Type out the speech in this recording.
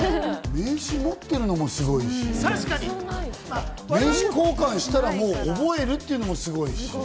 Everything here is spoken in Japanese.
名刺持ってるのもすごいし、名刺交換したら覚えるというのもすごいし。